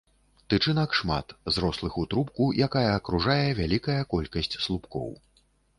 Тычынак шмат, зрослых у трубку, якая акружае вялікая колькасць слупкоў.